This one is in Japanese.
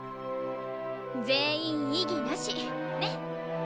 全員異議なしね？